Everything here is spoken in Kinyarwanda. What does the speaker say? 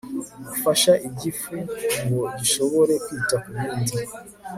ufasha igifu ngo gishobore kwita ku bindi